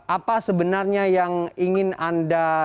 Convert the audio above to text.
apa sebenarnya yang ingin anda diskusikan agar kekerasan kekerasan